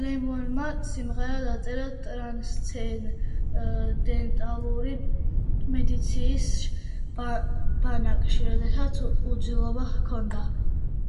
ლენონმა სიმღერა დაწერა ტრანსცენდენტალური მედიტაციის ბანაკში, როდესაც უძილობა ჰქონდა.